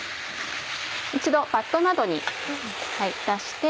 一度バットなどに出して。